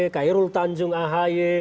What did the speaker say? kairul tanjung ahy